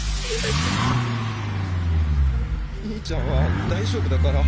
兄ちゃんは大丈夫だから。